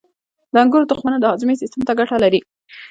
• د انګورو تخمونه د هاضمې سیستم ته ګټه لري.